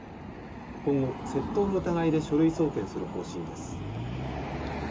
今後、窃盗の疑いで書類送検する方針です。